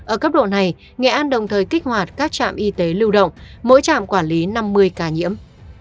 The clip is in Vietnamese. ở cấp độ này nghệ an đồng thời kích hoạt các trạm y tế lưu động mỗi trạm quản lý năm mươi ca nhiễm